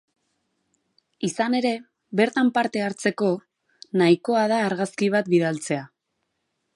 Izan ere, bertan parte hartzeko, nahikoa da argazki bat bidaltzea.